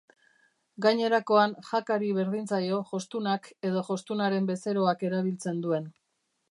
Gainerakoan jakari berdin zaio jostunak edo jostunaren bezeroak erabiltzen duen.